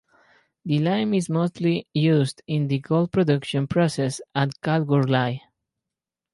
The lime is mostly used in the gold production process at Kalgoorlie.